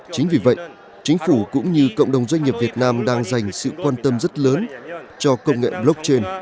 chính vì vậy chính phủ cũng như cộng đồng doanh nghiệp việt nam đang dành sự quan tâm rất lớn cho công nghệ blockchain